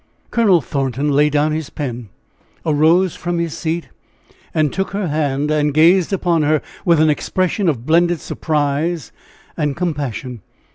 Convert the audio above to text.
Colonel Thornton laid down his pen, arose from his seat, and took her hand and gazed upon her with an expression of blended surprise and compassion.